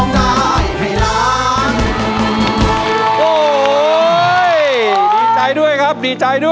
ดีใจด้วยครับดีใจด้วย